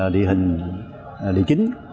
địa hình liên chính